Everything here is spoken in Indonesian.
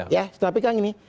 ya sudah pegang ini